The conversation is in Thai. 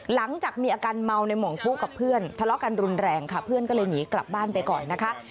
หลังจากมีอาการเมาในหม่องปุ๊กับเพื่อนทะเลาะกันรุนแรงค่ะเพื่อนก็เลยหนีกลับบ้านไปก่อนนะคะ